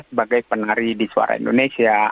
sebagai penari di suara indonesia